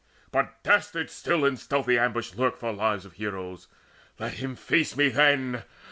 But dastards still in stealthy ambush lurk For lives of heroes. Let him face me then!